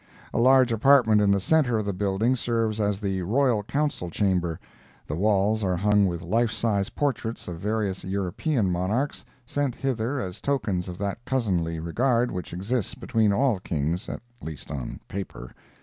A large apartment in the center of the building serves as the royal council chamber; the walls are hung with life size portraits of various European monarchs, sent hither as tokens of that cousinly regard which exists between all kings, at least on paper.